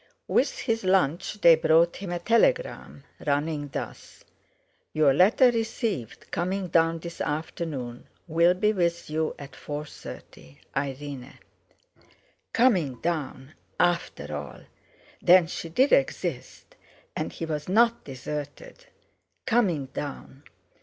With his lunch they brought him a telegram, running thus: "Your letter received coming down this afternoon will be with you at four thirty. Irene." Coming down! After all! Then she did exist—and he was not deserted. Coming down!